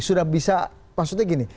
sudah bisa maksudnya gini